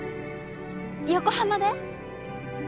横浜で？